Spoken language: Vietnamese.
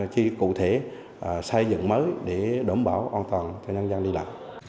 chỉ cụ thể xây dựng mới để đẩm bổ an toàn cho nhân dân đi lệ